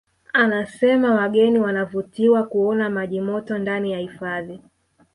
Anasema wageni wanavutiwa kuona maji moto ndani ya hifadhi